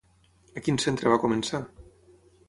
A quin centre va començar?